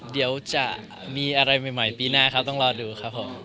เดี๋ยวจะมีอะไรใหม่ปีหน้าเขาต้องรอดูครับผม